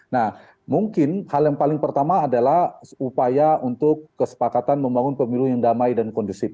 nah mungkin hal yang paling pertama adalah upaya untuk kesepakatan membangun pemilu yang damai dan kondusif